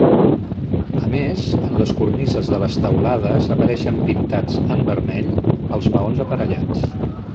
A més, en les cornises de les teulades apareixen pintats, en vermell, els maons aparellats.